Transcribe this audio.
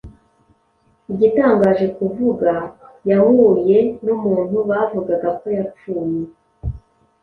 Igitangaje kuvuga, yahuye numuntu bavugaga ko yapfuye.